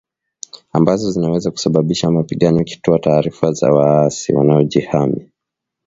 ambazo zinaweza kusababisha mapigano ikitoa taarifa za waasi wanaojihami